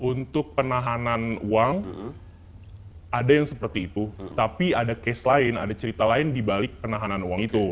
untuk penahanan uang ada yang seperti itu tapi ada case lain ada cerita lain dibalik penahanan uang itu